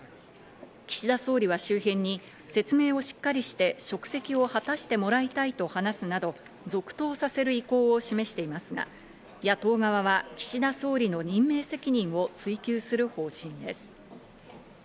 岸田総理は周辺に説明をしっかりして職責を果たしてもらいたいと話すなど、続投させる意向を示していますが、野党側は岸田総理の任命責任を追及する方針です。